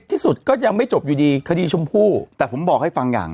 ที่สุดก็ยังไม่จบอยู่ดีคดีชมพู่แต่ผมบอกให้ฟังอย่าง